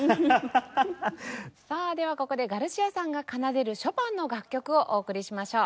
さあではここでガルシアさんが奏でるショパンの楽曲をお送りしましょう。